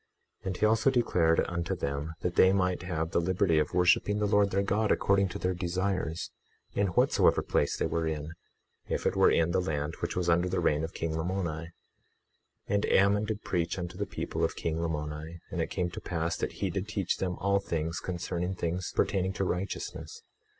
21:22 And he also declared unto them that they might have the liberty of worshiping the Lord their God according to their desires, in whatsoever place they were in, if it were in the land which was under the reign of king Lamoni. 21:23 And Ammon did preach unto the people of king Lamoni; and it came to pass that he did teach them all things concerning things pertaining to righteousness.